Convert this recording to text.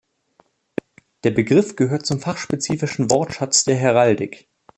Der Begriff gehört zum fachspezifischen Wortschatz der Heraldik.